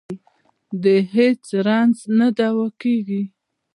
د هېڅ رنځ نه دوا کېږي.